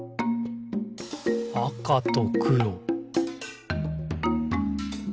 「あかとくろ」